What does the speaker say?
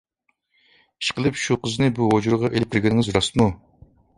ئىشقىلىپ شۇ قىزنى بۇ ھۇجرىغا ئېلىپ كىرگىنىڭىز راستمۇ؟